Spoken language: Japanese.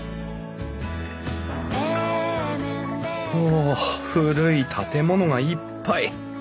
お古い建物がいっぱい。